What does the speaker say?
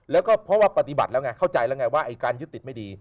แล้วก็เพราะว่าปฏิบัติแล้วไงเข้าใจแล้วไงว่าไอ้การยึดติดไม่ดี